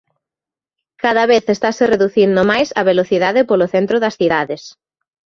Cada vez estase reducindo máis a velocidade polo centro das cidades.